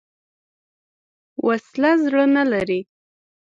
وسله زړه نه لري